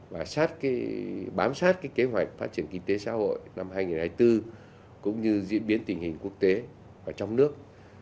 và bám sát kế hoạch phát triển kinh tế xã hội năm hai nghìn hai mươi bốn cũng như diễn biến tình hình quốc tế và trong nước